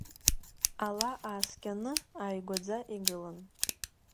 Ала ааскьаны ааигәаӡа игылан.